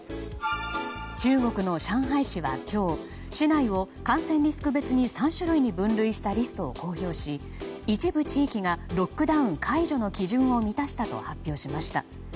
中国の上海市は今日市内を感染リスク別に３種類に分類したリストを公表し一部地域がロックダウン解除の基準を満たしたと発表しました。